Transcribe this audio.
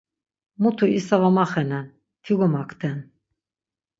Mutu isa var maxenen, ti gomakten.